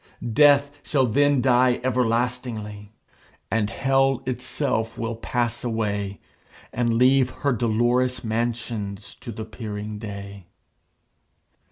Death shall then die everlastingly, And Hell itself will pass away, And leave her dolorous mansions to the peering day.